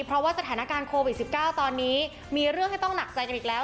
เพราะว่าสถานการณ์โควิด๑๙ตอนนี้มีเรื่องให้ต้องหนักใจกันอีกแล้ว